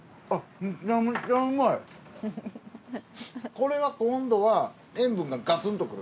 これは今度は塩分がガツンとくる。